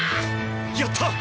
やった！